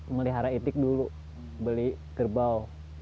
melihara itik dulu beli kerbau